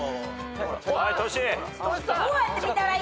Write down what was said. はいトシ。